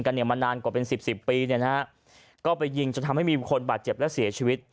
กันมานานกว่าเป็น๑๐๑๐ปีก็ไปยิงจนทำให้มีคนบาดเจ็บและเสียชีวิต